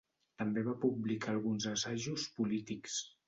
També va publicar alguns assajos polítics.